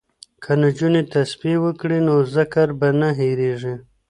که نجونې تسبیح وکړي نو ذکر به نه هیریږي.